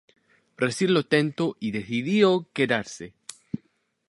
Brasil lo tentó y decidió quedarse.